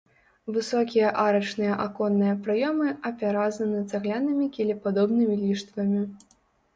Высокія арачныя аконныя праёмы апяразаны цаглянымі кілепадобнымі ліштвамі.